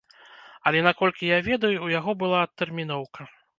Але, наколькі я ведаю, у яго была адтэрміноўка.